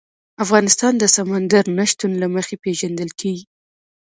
افغانستان د سمندر نه شتون له مخې پېژندل کېږي.